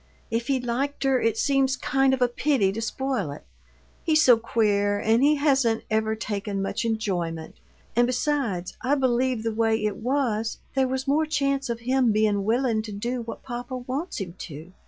"If he liked her it seems kind of a pity to spoil it. He's so queer, and he hasn't ever taken much enjoyment. And besides, I believe the way it was, there was more chance of him bein' willin' to do what papa wants him to.